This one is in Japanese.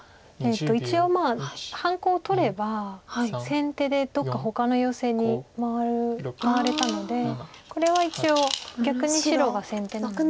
一応まあ半コウを取れば先手でどっかほかのヨセに回れたのでこれは一応逆に白が先手なので。